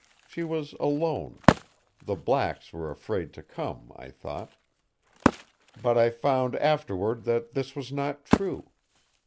"She was alone. The blacks were afraid to come, I thought. But I found afterward that this was not true.